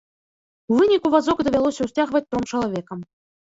У выніку вазок давялося ўсцягваць тром чалавекам.